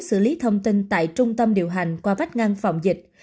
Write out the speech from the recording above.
sử lý thông tin tại trung tâm điều hành qua vách ngang phòng dịch